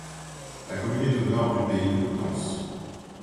La commune est au nord du Pays de Coutances.